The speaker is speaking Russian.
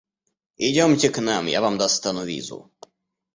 Идемте к нам — я вам достану визу!